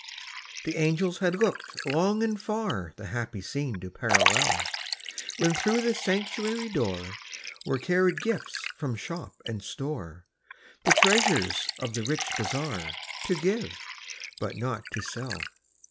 The angels had looked long and far The happy scene to parallel, When through the sanctuary door Were carried gifts from shop and store, The treasures of the rich bazaar, To give but not to sell.